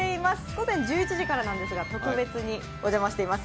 午前１１時からなんですが、特別にお邪魔しています。